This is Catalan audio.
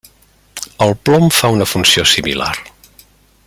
El plom fa una funció similar.